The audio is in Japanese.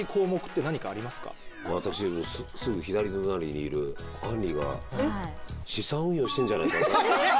私すぐ左隣にいるあんりが資産運用してんじゃないかと。